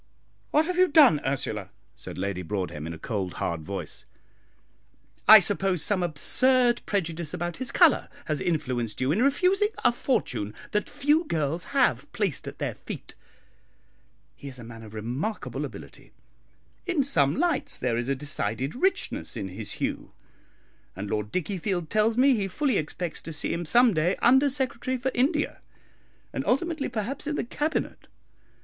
"What have you done, Ursula?" said Lady Broadhem, in a cold, hard voice. "I suppose some absurd prejudice about his colour has influenced you in refusing a fortune that few girls have placed at their feet. He is a man of remarkable ability; in some lights there is a decided richness in his hue; and Lord Dickiefield tells me he fully expects to see him some day Under Secretary for India, and ultimately perhaps in the Cabinet.